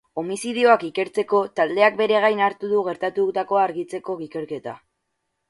Homizidioak ikertzeko taldeak bere gain hartu du gertatutakoa argitzeko ikerketa.